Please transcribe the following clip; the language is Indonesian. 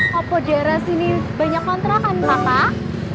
kepo daerah sini banyak kontra kan kakak